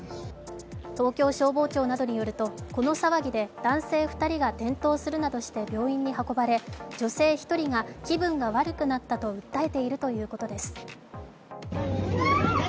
東京消防庁などによると、この騒ぎで男性２人が転倒するなどして病院に運ばれ女性１人が気分が悪くなったと訴えているということです。